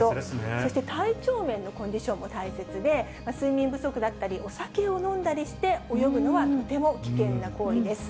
そして体調面のコンディションも大切で、睡眠不足だったり、お酒を飲んだりして泳ぐのはとても危険な行為です。